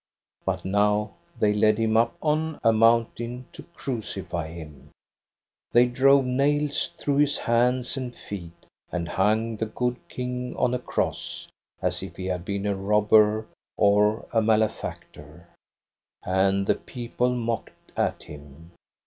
But now they led him up on a mountain to crucify him. They drove nails through his hands and feet, and hung the good King on a cross, as if he had been a robber or a malefactor. "' And the people mocked at him.